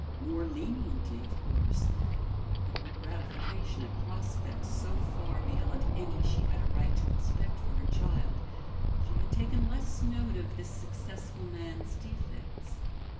More leniently of course. In her gratification at prospects so far beyond any she had a right to expect for her child, she had taken less note of this successful man's defects.